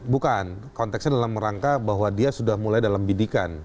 bukan konteksnya dalam rangka bahwa dia sudah mulai dalam bidikan